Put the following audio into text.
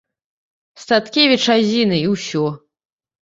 Статкевіч адзіны, і ўсё.